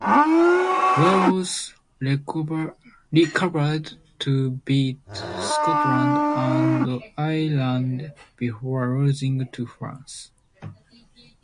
Wales recovered to beat Scotland and Ireland before losing to France.